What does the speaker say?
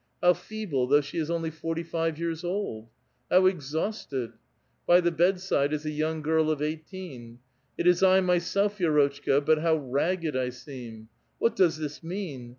how feeble, though she is only forty five years old I how exhausted ! By the bedside is a young girl of eighteen. '* It is 1 myself, Vi^rotchka ; but how ragged I seem ! What does this mean